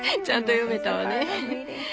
ちゃんと読めたわね！